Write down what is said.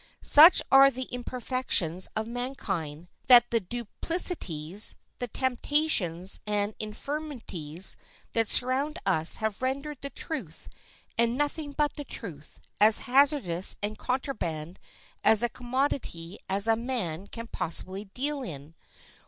Such are the imperfections of mankind that the duplicities, the temptations, and the infirmities that surround us have rendered the truth, and nothing but the truth, as hazardous and contraband a commodity as a man can possibly deal in.